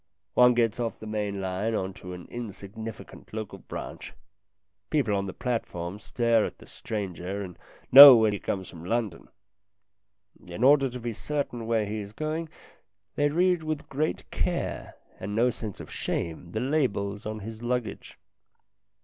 One gets off the main line on to an insignificant local branch. People on the platform stare at the stranger and know when he comes from London. In order to be certain where he is going, they read with great care and no sense of shame the labels on his luggage.